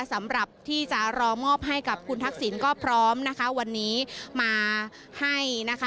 สำหรับที่จะรอมอบให้กับคุณทักษิณก็พร้อมนะคะวันนี้มาให้นะคะ